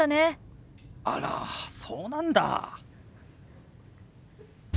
あらそうなんだ。